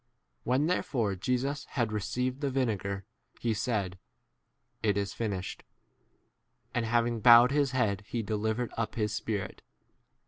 30 When therefore Jesus had received the vinegar, he said, It is finished ; and having bowed his head he de 31 livered up his" spirit.